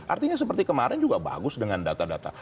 artinya seperti kemarin juga bagus dengan data data